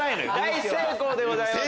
大成功でございました。